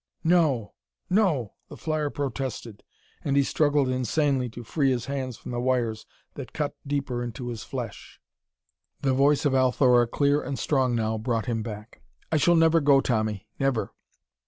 "No no!" the flyer protested, and he struggled insanely to free his hands from the wires that cut the deeper into his flesh. The voice of Althora, clear and strong now, brought him back. "I shall never go, Tommy; never!